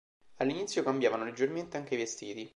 All'inizio, cambiavano leggermente anche i vestiti.